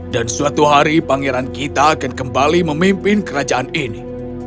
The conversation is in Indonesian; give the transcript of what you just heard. dan suatu hari pangeran kita akan kembali memimpin kerajaan ini